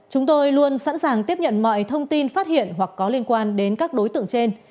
chúng tôi luôn sẵn sàng tiếp nhận mọi thông tin phát hiện hoặc có liên quan đến các đối tượng trên